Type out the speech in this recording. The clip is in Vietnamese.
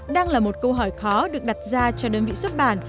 đang là một câu hỏi khó được đặt ra cho đơn vị xuất bản